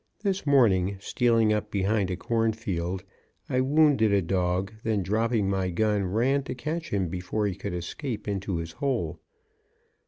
This morning, stealing up behind a cornfield, I wounded a dog, then dropping my gun, ran to catch him before he could escape into his hole.